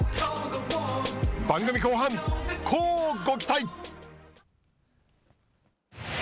番組後半、乞うご期待。